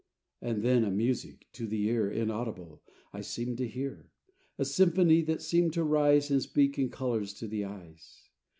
And then a music, to the ear Inaudible, I seemed to hear; A symphony that seemed to rise And speak in colors to the eyes.